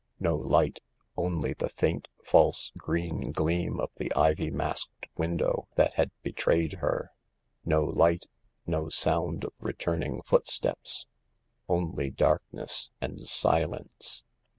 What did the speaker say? No light— only the faint, false, green gleam of the ivy masked window that had betrayed her No light— no sound of returning footsteps. Only darkness and silence.